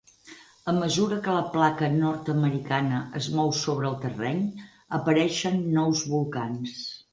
A mesura que la placa nord-americana es mou sobre el terreny, apareixen nous volcans.